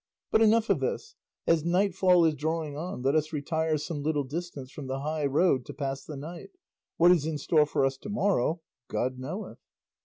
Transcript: But enough of this; as nightfall is drawing on let us retire some little distance from the high road to pass the night; what is in store for us to morrow God knoweth."